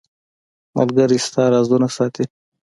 • ملګری ستا رازونه ساتي.